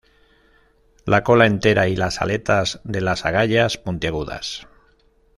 La cola entera, y las aletas de las agallas puntiagudas.